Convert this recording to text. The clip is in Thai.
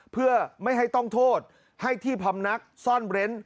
เพื่อไม่ให้ต้องโทษให้ที่พำนักซ่อนเร้น